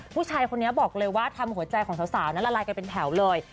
ผู้ชายคนนี้บอกเลยว่าทำหัวใจของสาวนั้นละลายกันเป็นแถวเลย